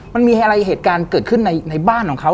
มันมีอะไรเหตุการณ์เกิดขึ้นในบ้านของเขา